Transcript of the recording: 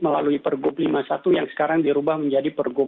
melalui pergub lima puluh satu yang sekarang diubah menjadi pergub dua puluh